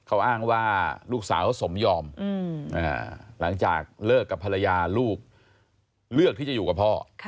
เขาอ้างว่าลูกสาวเขาสมยอมหลังจากเลิกกับภรรยาลูกเลือกที่จะอยู่กับพ่อ